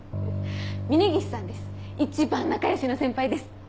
峰岸さんです一番仲良しの先輩です。